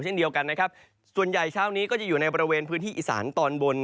เช่นเดียวกันนะครับส่วนใหญ่เช้านี้ก็จะอยู่ในบริเวณพื้นที่อีสานตอนบน